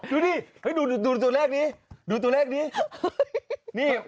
โอ้โหดูนี่ดูตัวเลขนี้